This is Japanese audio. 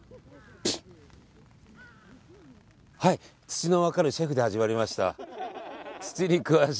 土の分かるシェフで始まりました。